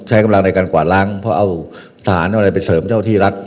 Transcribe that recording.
ใช้กำลังในการกวาดล้างเพราะเอาทหารเอาอะไรไปเสริมเจ้าที่รัฐ